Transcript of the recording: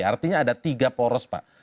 artinya ada tiga poros pak